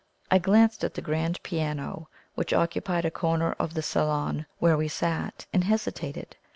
I glanced at the grand piano, which occupied a corner of the salon where we sat, and hesitated.